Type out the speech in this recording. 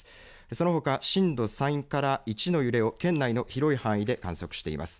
そのほか震度３から１の揺れを県内の広い範囲で観測しています。